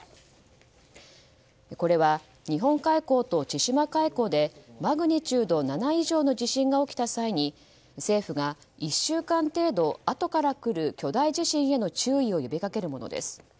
これは、日本海溝と千島海溝でマグニチュード７以上の地震が起きた際に政府が１週間程度あとから来る巨大地震への注意を呼びかけるものです。